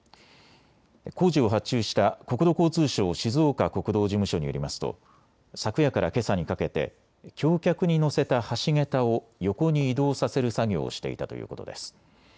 工事を発注した国土交通省静岡国道事務所によりますと昨夜からけさにかけて橋脚に載せた橋桁を横に移動させる作業をしていたということです。